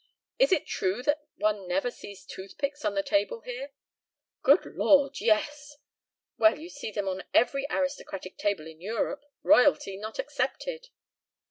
Is it true that one never sees toothpicks on the table here?" "Good lord, yes!" "Well, you see them on every aristocratic table in Europe, royalty not excepted."